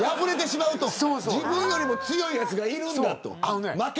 自分より強いやつがいるんだと。